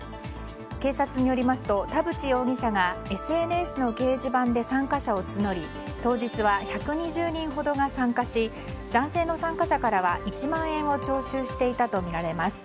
警察によりますと田渕容疑者がＳＮＳの掲示板で参加者を募り当日は１２０人ほどが参加し男性の参加者からは１万円を徴収していたとみられます。